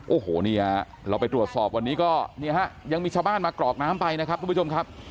โอ้โหเนี่ยเราไปตรวจสอบวันนี้ก็เนี่ยฮะยังมีชาวบ้านมากรอกน้ำไปนะครับทุกผู้ชมครับ